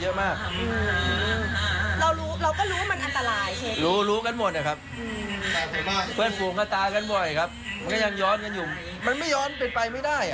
อืมแต่ว่าก็รู้ว่าอันตรายแต่ก็ยังล้อย้อนอยู่ใช่ไหมคะ